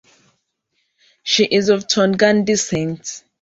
She is of Tongan descent.